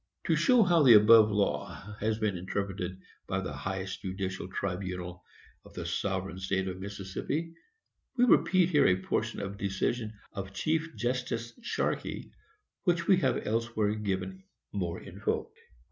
To show how the above law has been interpreted by the highest judicial tribunal of the sovereign State of Mississippi, we repeat here a portion of a decision of Chief Justice Sharkey, which we have elsewhere given more in full.